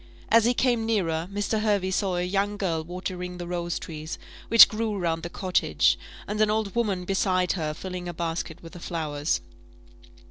As he came nearer, Mr. Hervey saw a young girl watering the rose trees, which grew round the cottage, and an old woman beside her filling a basket with the flowers.